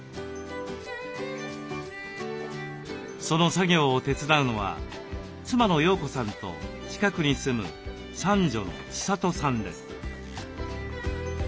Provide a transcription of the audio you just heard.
その作業を手伝うのは妻の陽子さんと近くに住む三女の千里さんです。